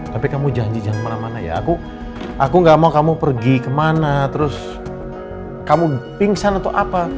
tapi kamu janji jangan kemana mana ya aku gak mau kamu pergi kemana terus kamu pingsan atau apa